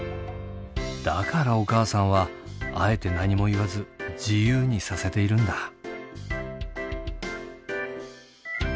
だからお母さんはあえて何も言わず自由にさせているんだ。